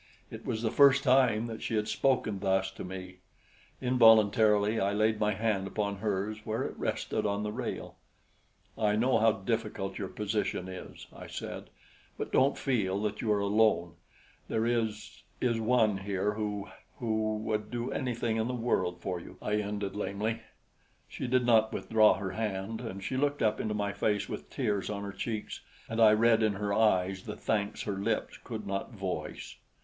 It was the first time that she had spoken thus to me. Involuntarily, I laid my hand upon hers where it rested on the rail. "I know how difficult your position is," I said; "but don't feel that you are alone. There is is one here who who would do anything in the world for you," I ended lamely. She did not withdraw her hand, and she looked up into my face with tears on her cheeks and I read in her eyes the thanks her lips could not voice.